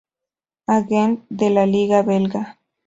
A. Gent de la liga belga.